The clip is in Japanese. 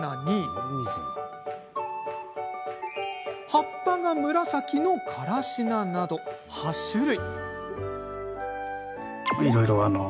そして、葉っぱが紫のからし菜など８種類。